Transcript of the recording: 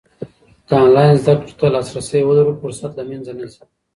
که انلاین زده کړو ته لاسرسی ولرو، فرصت له منځه نه ځي.